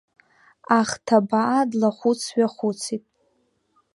Ахҭабаа длахәыц-ҩахәыцит.